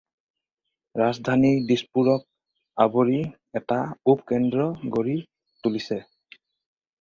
ৰাজধানী দিশপুৰক আৱৰি এটা উপ-কেন্দ্ৰ গঢ়ি তুলিছে।